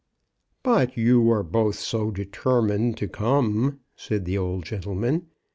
" But you were both so determined to come," said the old gentleman.